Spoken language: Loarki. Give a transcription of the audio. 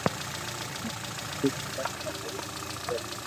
ڪجھ ھمج ۾ آويو ھي ݾڪر